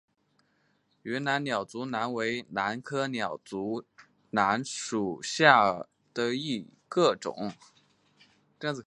云南鸟足兰为兰科鸟足兰属下的一个种。